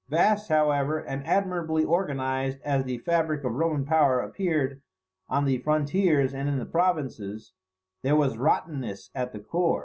Vast however, and admirably organized as the fabric of Roman power appeared on the frontiers and in the provinces, there was rottenness at the core.